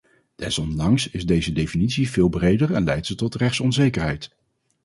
Desondanks is deze definitie veel breder en leidt ze tot rechtsonzekerheid.